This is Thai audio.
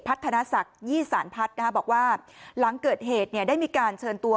พัฒนศักดิ์ยี่สานพัฒน์บอกว่าหลังเกิดเหตุได้มีการเชิญตัว